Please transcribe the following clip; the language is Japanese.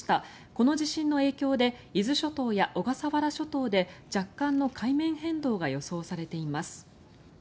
この地震の影響で伊豆諸島や小笠原諸島で若干の海面変動が予想されています。